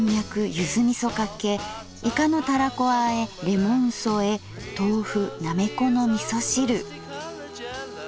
ゆずみそかけいかのたらこ和へレモンそえ豆腐なめこの味噌汁」。